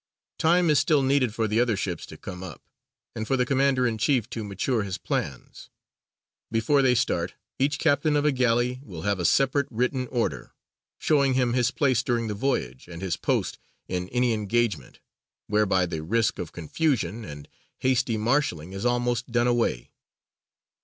Time is still needed for the other ships to come up, and for the commander in chief to mature his plans; before they start, each captain of a galley will have a separate written order, showing him his place during the voyage and his post in any engagement, whereby the risk of confusion and hasty marshalling is almost done away.